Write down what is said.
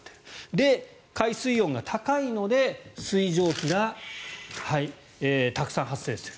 で、海水温が高いので水蒸気がたくさん発生する。